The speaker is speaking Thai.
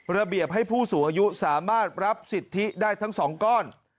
ระเบียบให้ผู้สูงอายุสามารถรับสิทธิได้ทั้ง๒ก้อน